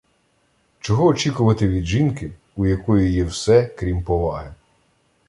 Чого очікувати від жінки, у якої є все, крім поваги?